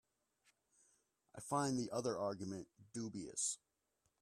I find the other argument dubious.